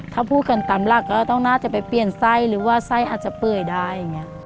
ถ้าพูดกันตามหลักก็ต้องน่าจะไปเปลี่ยนไส้หรือว่าไส้อาจจะเปื่อยได้อย่างนี้